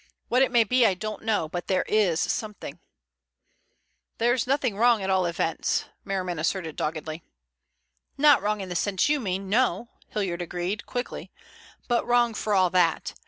What it may be I don't know, but there is something." "There's nothing wrong at all events," Merriman asserted doggedly. "Not wrong in the sense you mean, no," Hilliard agreed quickly, "but wrong for all that.